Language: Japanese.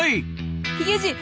ヒゲじい